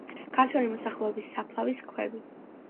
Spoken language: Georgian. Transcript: ქართველი მოსახლეობის საფლავის ქვები.